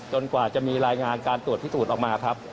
กว่าจะมีรายงานการตรวจพิสูจน์ออกมาครับ